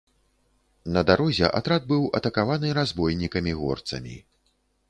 На дарозе атрад быў атакаваны разбойнікамі-горцамі.